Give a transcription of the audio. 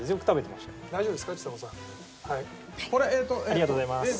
ありがとうございます。